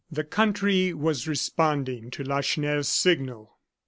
The country was responding to Lacheneur's signal.